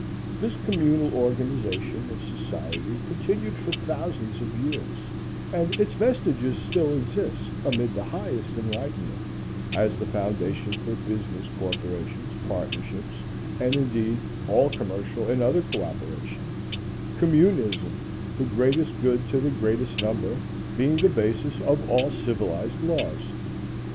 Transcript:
This communal organization of society continued for thousands of years and its vestiges still exist amid the highest enlightenment, as the foundation for business corporations, partnerships, and, indeed, all commercial and other coöperation, communism the greatest good to the greatest number, being the basis of all civilized laws.